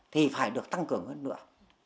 thì phải được tăng cường hơn nữa